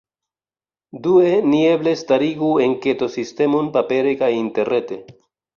Due, ni eble starigu enketo-sistemon, papere kaj interrete.